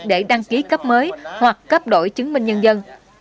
để đăng ký cấp mới hoặc cấp đổi chứng minh nhân dân